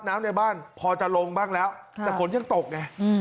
ในบ้านพอจะลงบ้างแล้วแต่ฝนยังตกไง